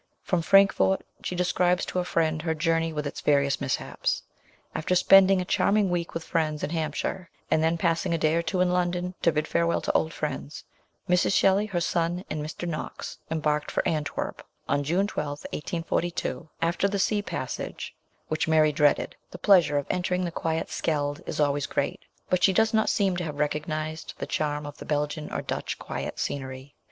From Frankfort she describes to a friend her journey with its various mishaps. After spending a charming week with friends in Hampshire, and then passing a day or two in London to bid farewell to old friends, Mrs. Shelley, her son, and Mr. Knox embarked for ITALY REVISITED. 221 Antwerp on June 12, 1842. After the sea passage, which Mary dreaded, the pleasure of entering the quiet Scheldt is always great ; but she does not seem to have recognised the charm of the Belgian or Dutch quiet scenery.